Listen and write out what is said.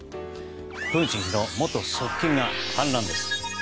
プーチン氏の元側近が反乱です。